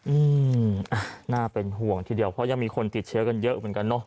อืมอ่ะน่าเป็นห่วงทีเดียวเพราะยังมีคนติดเชื้อกันเยอะเหมือนกันเนอะ